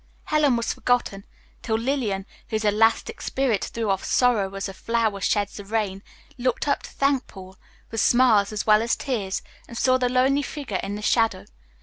Helen was forgotten, till Lillian, whose elastic spirit threw off sorrow as a flower sheds the rain, looked up to thank Paul, with smiles as well as tears, and saw the lonely figure in the shadow.